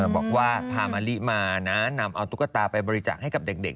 บอกว่าพามะลิมานะนำเอาตุ๊กตาไปบริจาคให้กับเด็ก